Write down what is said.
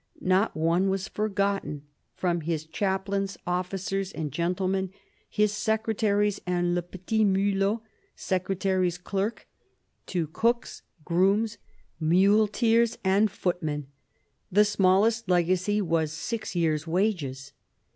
Not one was forgotten, from his chaplains, officers and gentlemen, his secretaries and le petit Mulot, secretary's clerk, to cooks, grooms, muleteers, and footmen. The smallest legacy was six years' wages.